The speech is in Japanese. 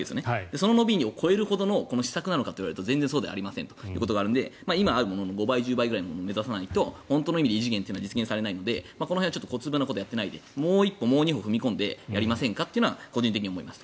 その伸びを超えるほどの施策なのかというと全然そうではないので今あるものの５倍、１０倍くらいを目指さないと本当の意味での異次元というのは実現されないのでこの辺は小粒なことをやってないでもう一歩、もう二歩踏み込んでやりませんかというのは個人的に思います。